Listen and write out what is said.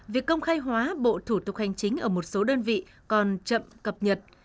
việc công khai hóa bộ thủ tục hành chính ở một số đơn vị còn chậm cập nhật